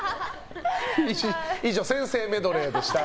以上、先生メドレーでした。